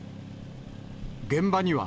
現場には、